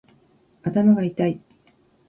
頭がいたい